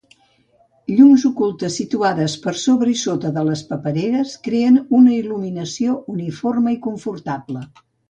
Llums ocultes situades per sobre i sota les papereres creen una il·luminació uniforme i confortable.